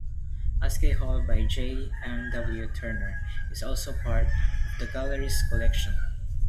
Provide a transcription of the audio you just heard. Aske Hall by J. M. W. Turner is also part of the gallery's collection.